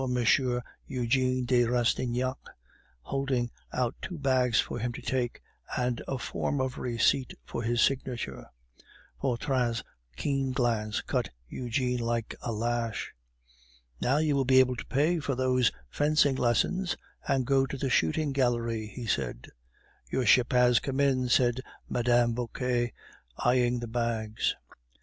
Eugene de Rastignac, holding out two bags for him to take, and a form of receipt for his signature. Vautrin's keen glance cut Eugene like a lash. "Now you will be able to pay for those fencing lessons and go to the shooting gallery," he said. "Your ship has come in," said Mme. Vauquer, eyeing the bags.